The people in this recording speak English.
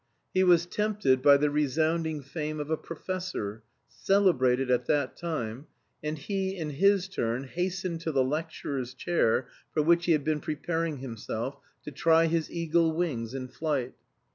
He was tempted by the resounding fame of a professor, celebrated at that time, and he, in his turn, hastened to the lecturer's chair for which he had been preparing himself, to try his eagle wings in flight.